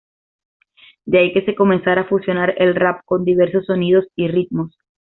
De ahí que se comenzara a fusionar el rap con diversos sonidos y ritmos.